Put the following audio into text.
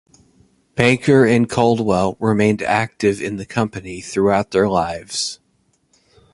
Banker and Coldwell remained active in the company throughout their lives.